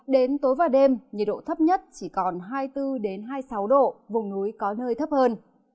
đến tối và đêm nhiệt độ thấp nhất chỉ còn hai mươi bốn hai mươi sáu độ vùng núi có nơi thấp hơn